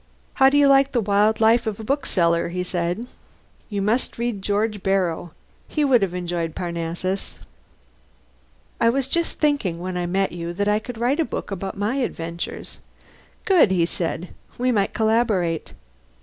"How do you like the wild life of a bookseller?" he said. "You must read George Borrow. He would have enjoyed Parnassus." "I was just thinking, when I met you, that I could write a book about my adventures." "Good!" he said. "We might collaborate."